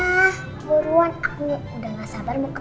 aduh ada adi lagi